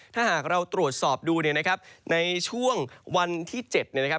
ถ้าหากเราตรวจสอบดูเนี่ยนะครับในช่วงวันที่๗เนี่ยนะครับ